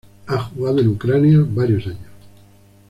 Ha jugado en Ucrania varios años.